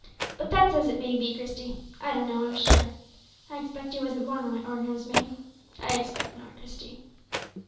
But that's as it may be, Christie; I don't know, I'm sure. I expect he wasn't born when my organ was made; I expect not, Christie."